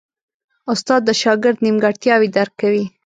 استاد د شاګرد نیمګړتیاوې درک کوي.